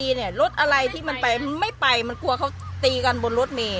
เนี่ยรถอะไรที่มันไปไม่ไปมันกลัวเขาตีกันบนรถเมย